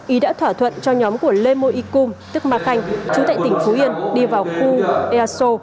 ý đã thỏa thuận cho nhóm của lê mô y cung tức ma khanh chú tại tỉnh phú yên đi vào khu easo